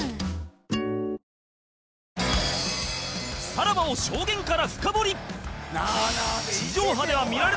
さらばを証言から深掘り